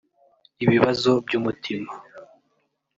ibibazo by’umutima